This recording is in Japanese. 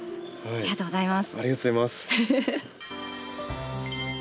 ありがとうございます。